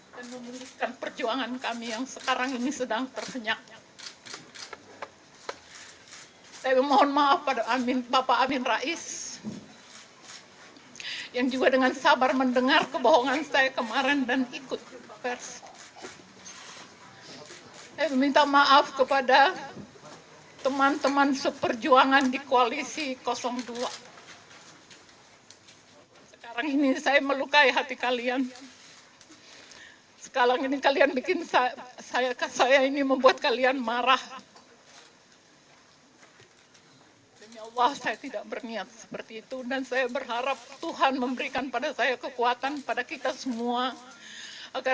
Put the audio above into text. dan memulihkan perjuangan kami yang sekarang ini sedang terhenyak henyak